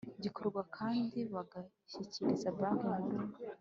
gikorwa kandi bagashyikiriza Banki Nkuru